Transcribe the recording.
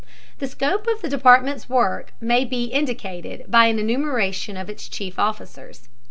The scope of the department's work may be indicated by an enumeration of its chief officers.